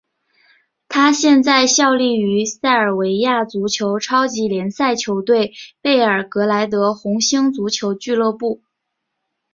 他现在效力于塞尔维亚足球超级联赛球队贝尔格莱德红星足球俱乐部。